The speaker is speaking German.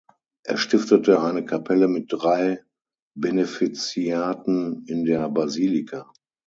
Er stiftete eine Kapelle mit drei Benefiziaten in der Basilika.